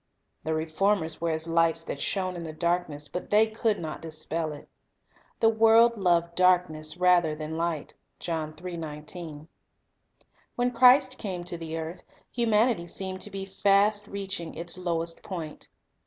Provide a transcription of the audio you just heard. The reformers were as lights that shone in the darkness; but they could not dispel it. The world "loved darkness rather than light." 1 When Christ came to the earth, humanity seemed to be fast reaching its lowest point.